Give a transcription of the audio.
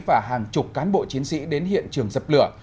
và hàng chục cán bộ chiến sĩ đến hiện trường dập lửa